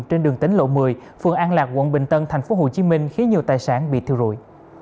trên đường tính lộ một mươi phường an lạc quận bình tân tp hcm khiến nhiều tài sản bị thiêu rụi